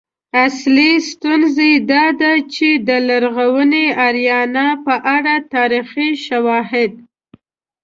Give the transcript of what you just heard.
اصلی ستونزه دا ده چې د لرغونې آریانا په اړه تاریخي شواهد